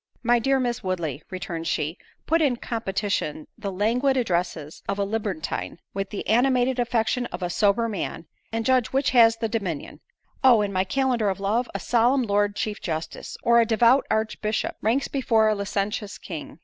"My dear Miss Woodley," returned she, "put in competition the languid addresses of a libertine, with the animated affection of a sober man, and judge which has the dominion? Oh! in my calendar of love, a solemn Lord Chief Justice, or a devout archbishop, ranks before a licentious king."